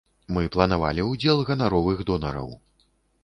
Мы планавалі ўдзел ганаровых донараў.